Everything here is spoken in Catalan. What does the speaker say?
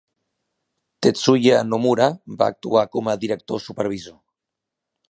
Tetsuya Nomura va actuar com a director supervisor.